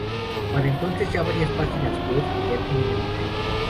Para entonces ya varias páginas web que ya tienen el video.